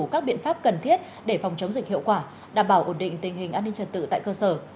các biện pháp cần thiết để phòng chống dịch hiệu quả đảm bảo ổn định tình hình an ninh trật tự tại cơ sở